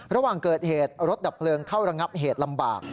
ระหว่างเกิดเหตุรถดับเพลิงเข้าระงับเหตุลำบาก